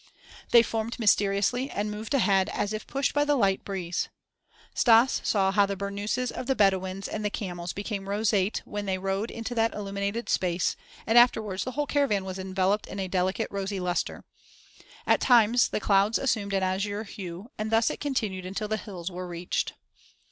They formed mysteriously and moved ahead as if pushed by the light breeze. Stas saw how the burnooses of the Bedouins and the camels became roseate when they rode into that illuminated space, and afterwards the whole caravan was enveloped in a delicate, rosy luster. At times the clouds assumed an azure hue and thus it continued until the hills were reached.